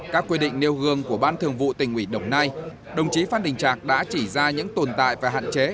các quy định nêu gương của ban thường vụ tỉnh ủy đồng nai đồng chí phan đình trạc đã chỉ ra những tồn tại và hạn chế